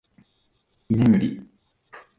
居眠り